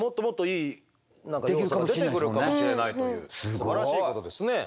すばらしいことですね。